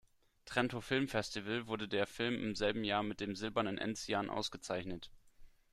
Trento Filmfestival wurde der Film im selben Jahr mit dem Silbernen Enzian ausgezeichnet.